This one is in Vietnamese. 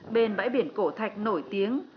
bên bãi biển cổ thạch nổi tiếng